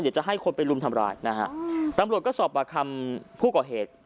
เดี๋ยวจะให้คนไปรุมทำร้ายนะฮะตำรวจก็สอบปากคำผู้ก่อเหตุ